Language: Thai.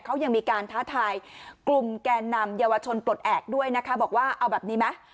เขายังมีการท้าทายกลุ่มแก่นำเยาวชนปลดแอบด้วยนะคะบอกว่าเอาแบบนี้ไหม